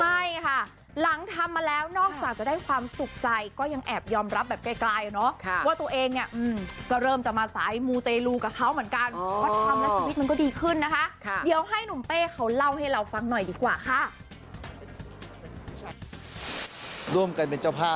ใช่ค่ะหลังทำมาแล้วนอกจากจะได้ความสุขใจก็ยังแอบยอมรับแบบไกลเนอะ